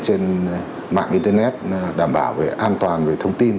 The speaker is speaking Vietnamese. trên mạng internet đảm bảo về an toàn về thông tin